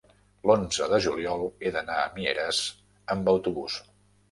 l'onze de juliol he d'anar a Mieres amb autobús.